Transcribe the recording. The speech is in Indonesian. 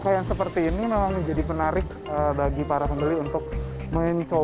terima kasih ya bu ya